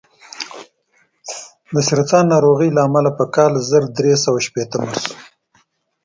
د سرطان ناروغۍ له امله په کال زر درې سوه شپېته مړ شو.